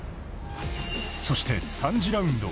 そして３次ラウンド